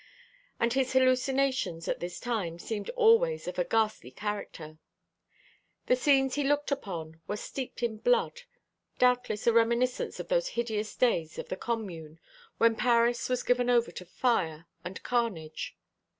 And his hallucinations at this time seemed always of a ghastly character. The scenes he looked upon were steeped in blood, doubtless a reminiscence of those hideous days of the Commune, when Paris was given over to fire and carnage.